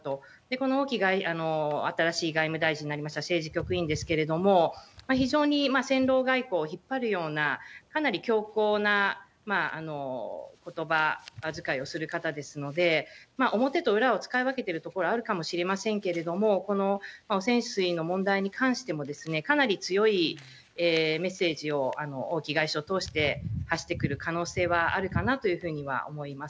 この新しい外務大臣になりました政治局員ですけれども、非常に戦狼外交を引っ張るような、かなり強硬なことば遣いをする方ですので、表と裏を使い分けてるところはあるかもしれませんけれども、この汚染水の問題に関しても、かなり強いメッセージを王毅外相を通して発してくる可能性はあるかなというふうには思います。